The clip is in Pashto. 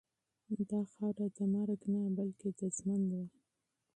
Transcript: دا خاوره د مرګ نه بلکې د ژوند وه.